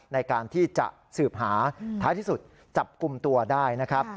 ในการที่จะสืบหาท้ายที่สุดจับกลุ่มตัวได้นะครับ